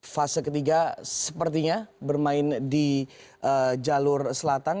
fase ketiga sepertinya bermain di jalur selatan